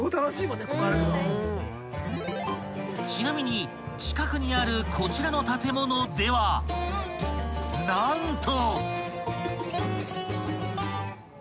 ［ちなみに近くにあるこちらの建物では何と］